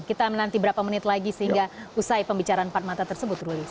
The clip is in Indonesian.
kita menanti berapa menit lagi sehingga usai pembicaraan empat mata tersebut ruli